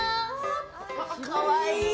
かわいい。